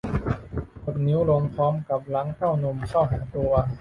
กดนิ้วลงพร้อมกับรั้งเต้านมเข้าหาตัว